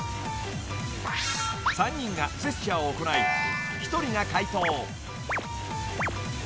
［３人がジェスチャーを行い１人が解答］